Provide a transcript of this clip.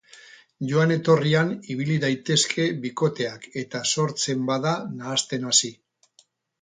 Joan etorrian ibili daitezke bikoteak eta sortzen bada nahasten hasi.